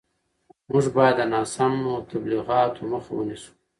موږ باید د ناسم تبلیغاتو مخه ونیسو.